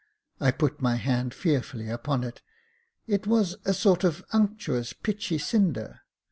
I put my hand fearfully upon it — it was a sort of unctuous, pitchy cinder.